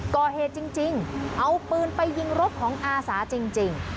ก่อเหตุจริงเอาปืนไปยิงรถของอาสาจริง